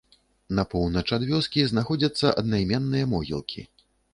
На поўнач ад вёскі знаходзяцца аднайменныя могілкі.